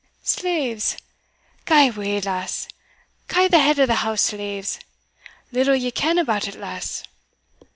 "Slaves? gae wa', lass! ca' the head o' the house slaves? little ye ken about it, lass.